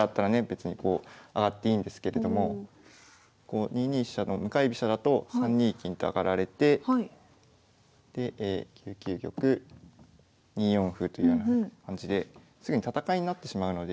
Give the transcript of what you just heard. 別にこう上がっていいんですけれども２二飛車の向かい飛車だと３二金と上がられてで９九玉２四歩というような感じですぐに戦いになってしまうので。